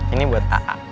ini buat a'a